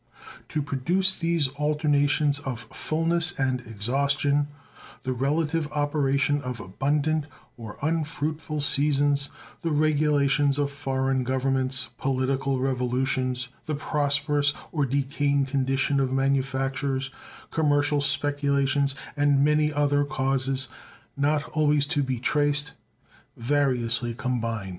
To produce these alternations of fullness and exhaustion the relative operation of abundant or unfruitful seasons, the regulations of foreign governments, political revolutions, the prosperous or decaying condition of manufactures, commercial speculations, and many other causes, not always to be traced, variously combine.